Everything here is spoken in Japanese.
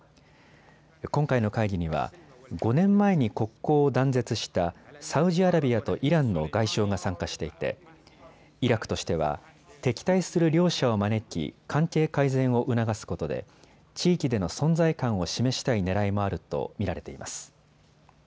今回の会議には５年前に国交を断絶したサウジアラビアとイランの外相が参加していてイラクとしては敵対する両者を招き関係改善を促すことで地域での存在感を示したいねらいもあると見られています。